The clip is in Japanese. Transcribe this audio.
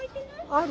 ある。